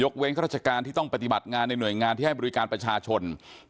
เว้นข้าราชการที่ต้องปฏิบัติงานในหน่วยงานที่ให้บริการประชาชน